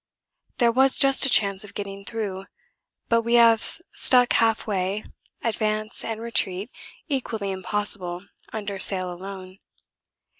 There was just a chance of getting through, but we have stuck half way, advance and retreat equally impossible under sail alone.